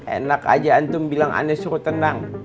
enak aja antum bilang anda suruh tenang